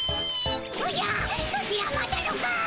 おじゃソチら待たぬか！